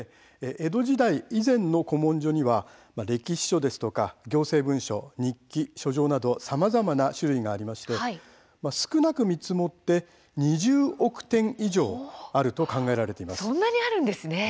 江戸時代以前の古文書には歴史書ですとか行政文書日記、書状などさまざまな種類がありまして少なく見積もって２０億点以上あると考えられています。